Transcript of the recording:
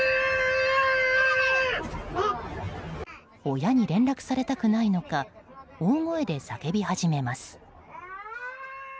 親に連絡されたくないのか大声で叫び始めます。